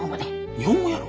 日本語やろ。